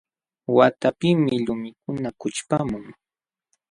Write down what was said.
Waqtapiqmi lumikuna kućhpamun.